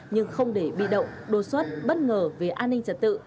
nhưng không để bị động đột xuất bất ngờ về an ninh trật tự